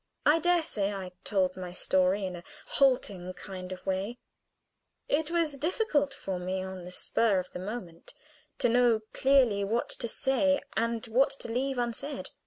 I dare say I told my story in a halting kind of way; it was difficult for me on the spur of the moment to know clearly what to say and what to leave unsaid.